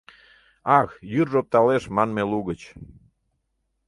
Ах, йӱржӧ опталеш манме лугыч